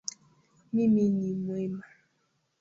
Mimi ni mwema